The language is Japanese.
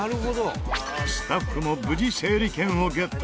スタッフも無事、整理券をゲット